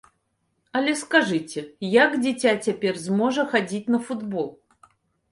Але скажыце, як дзіця цяпер зможа хадзіць на футбол?